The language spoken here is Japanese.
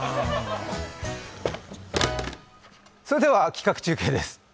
それでは、企画中継です。